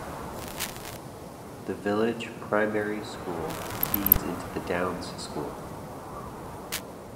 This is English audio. The village primary school feeds into the Downs School.